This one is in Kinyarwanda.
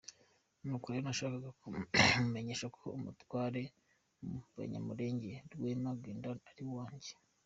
Nuko rero nashakaga kukumenyesha ko umutware mu Banyamulenge, Rwema Gendarme, ari uwanjye.